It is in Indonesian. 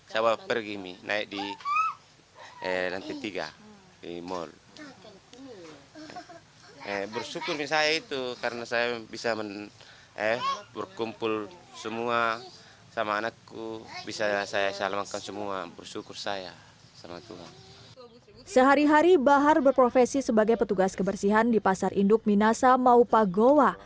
sehari hari bahar berprofesi sebagai petugas kebersihan di pasar induk minasa maupagowa